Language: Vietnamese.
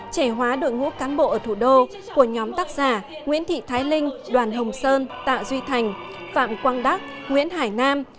trẻ hóa đội ngũ cán bộ ở thủ đô của nhóm tác giả nguyễn thị thái linh đoàn hồng sơn tạ duy thành phạm quang đắc nguyễn hải nam